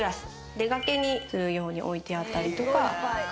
出かけにするように置いてあったりとか。